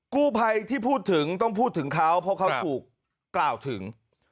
กู้ภัยที่พูดถึงต้องพูดถึงเขาเพราะเขาถูกกล่าวถึง